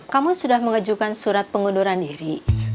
kamu sudah mengajukan surat pengunduran diri